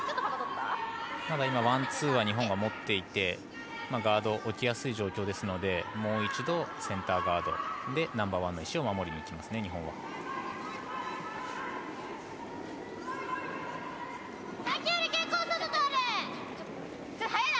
ワン、ツーは日本が持っていてガード置きやすい状況ですのでもう一度、センターガードでナンバーワンの石を守りにいきますね、日本は。